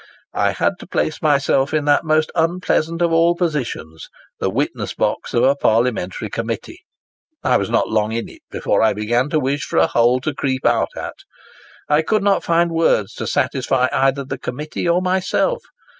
I had to place myself in that most unpleasant of all positions—the witness box of a Parliamentary Committee. I was not long in it, before I began to wish for a hole to creep out at! I could not find words to satisfy either the Committee or myself.